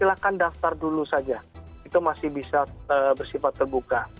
silakan daftar dulu saja itu masih bisa bersifat terbuka